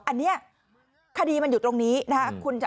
อันนี้คดีมันอยู่ตรงนี้นะครับ